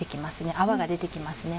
泡が出て来ますね。